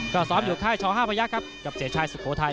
ก็ซ้อมอยู่ค่ายช๕พยักษ์ครับกับเสียชายสุโขทัย